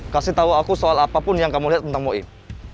kasih tau aku soal apapun yang kamu lihat tentang moib